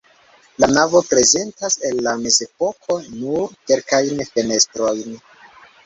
La navo prezentas el la mezepoko nur kelkajn fenestrojn.